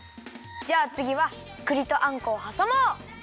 じゃあつぎはくりとあんこをはさもう！